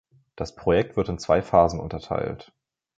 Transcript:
Das Projekt wird in zwei Phasen unterteilt.